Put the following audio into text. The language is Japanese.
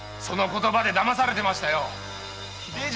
その言葉で騙されてましたよ。